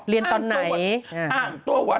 เรียนตอนไหน